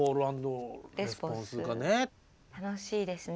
楽しいですね。